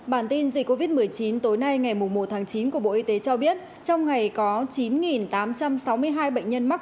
bản tin dịch covid một mươi chín tối nay ngày một tháng chín của bộ y tế cho biết trong ngày có chín tám trăm sáu mươi hai bệnh nhân mắc